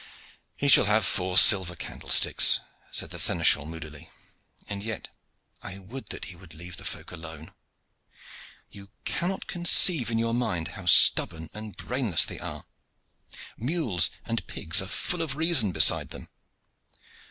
"He shall have four silver candlesticks," said the seneschal moodily. "And yet I would that he would leave the folk alone. You cannot conceive in your mind how stubborn and brainless they are. Mules and pigs are full of reason beside them.